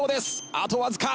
あとわずか。